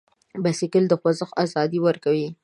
بایسکل د خوځښت ازادي ورکوي.